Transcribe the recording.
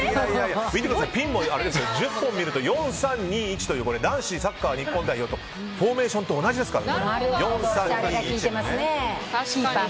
見てください、ピンも４、３、２、１という男子サッカー日本代表のフォーメーションと同じですから。